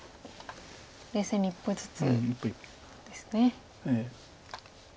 冷静に一歩ずつですね。